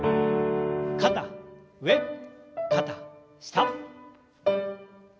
肩上肩下。